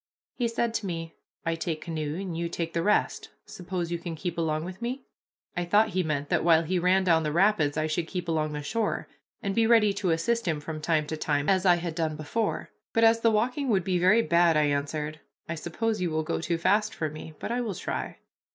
He said to me, "I take canoe and you take the rest, suppose you can keep along with me?" I thought he meant that while he ran down the rapids I should keep along the shore, and be ready to assist him from time to time, as I had done before; but as the walking would be very bad, I answered, "I suppose you will go too fast for me, but I will try."